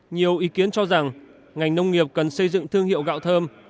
nhiều ý kiến cho rằng ngành nông nghiệp cần xây dựng thương hiệu gạo thơm